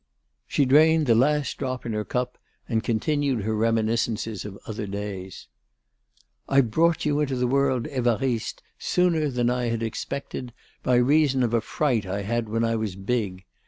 She drained the last drop in her cup and continued her reminiscences of other days: "I brought you into the world, Évariste, sooner than I had expected, by reason of a fright I had when I was big.